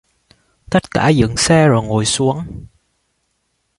Tất cả dựng xe rồi ngồi xuống